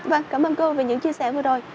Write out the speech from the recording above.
vâng cảm ơn cô về những chia sẻ vừa rồi